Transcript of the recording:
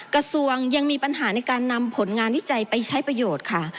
กระทรวงยังมีปัญหาในการนำผลงานวิจัยไปใช้ประโยชน์ค่ะ